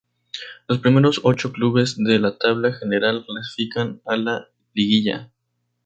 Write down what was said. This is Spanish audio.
Los primeros ocho clubes de la tabla general clasifican a la liguilla.